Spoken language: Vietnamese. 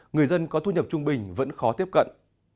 người dân có thu nhập trung bình vẫn khó tiếp cận